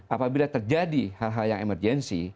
apabila terjadi hal hal yang emergensi